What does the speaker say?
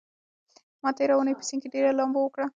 ما تېره اونۍ په سيند کې ډېره لامبو وکړه.